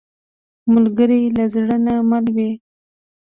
ملګری له زړه نه مل وي